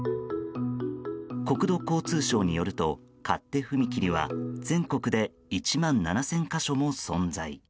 国土交通省によると勝手踏切は全国で１万７０００か所も存在。